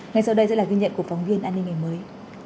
ngay sau đây sẽ là ghi nhận của phóng viên an ninh ngày mới